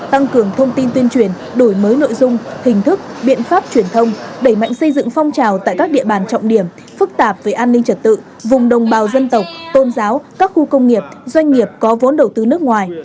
tăng cường thông tin tuyên truyền đổi mới nội dung hình thức biện pháp truyền thông đẩy mạnh xây dựng phong trào tại các địa bàn trọng điểm phức tạp về an ninh trật tự vùng đồng bào dân tộc tôn giáo các khu công nghiệp doanh nghiệp có vốn đầu tư nước ngoài